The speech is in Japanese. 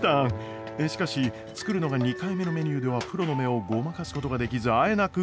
しかし作るのが２回目のメニューではプロの目をごまかすことができずあえなく。